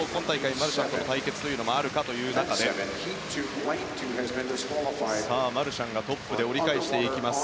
マルシャンとの対決もあるかという中でマルシャンがトップで折り返しました。